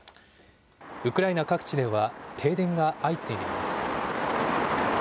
ウクライナ各地では、停電が相次いでいます。